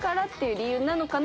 理由なのかな？